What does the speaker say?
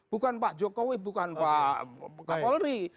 bukan pak jokowi bukan pak kapolri